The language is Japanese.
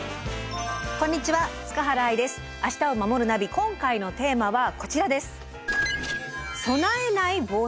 今回のテーマはこちらです。